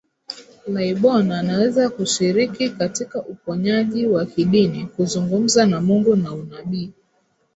Laibon anaweza kushiriki katika uponyaji wa kidini kuzungumza na Mungu na unabii